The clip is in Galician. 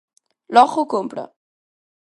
Logo compra.